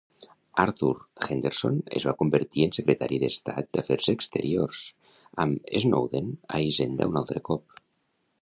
Arthur Henderson es va convertir en Secretari d'Estat d'Afers Exteriors, amb Snowden a Hisenda un altre cop.